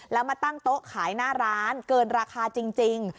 แล้วมาตั้งโต๊ะขายหน้าร้านเกินราคาจริง